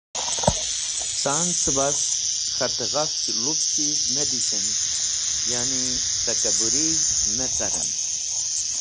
Ca’n cẽbas, k̃hat e ghafch lup chiz me dishen, ya’ni takabũrig̃h me caren.